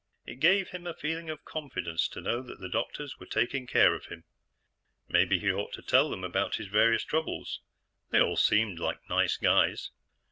It gave him a feeling of confidence to know that the doctors were taking care of him. Maybe he ought to tell them about his various troubles; they all seemed like nice guys.